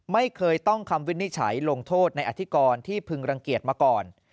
ไม่เคยต้องคำวินิจฉัยลงโทษในอธิกรที่พึงรังเกียจมาก่อน